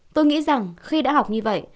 tôi nghĩ rằng khi đã học như vậy